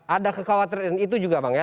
ada kekhawatiran itu juga bang ya